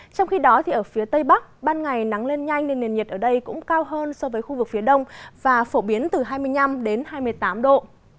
trong khi đó ở phía tây bắc ban ngày nắng lên nhanh nên nền nhiệt ở đây cũng cao hơn so với khu vực phía đông và phổ biến từ hai mươi năm đến hai mươi tám độ